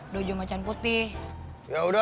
dojo macan putih ya udah tuh